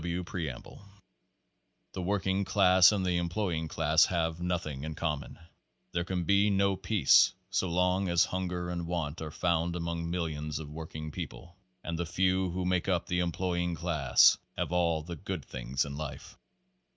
W. W. Preamble The working class and the employing class have nothing in common. There can be no peace so long as hunger and want are found among millions of working people and the few who make up the em ploying class, have all the good things of life.